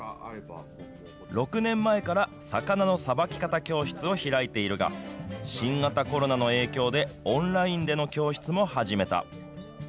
６年前から魚のさばき方教室を開いているが、新型コロナの影響でオンラインでの教室も始めた。